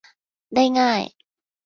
ได้ง่าย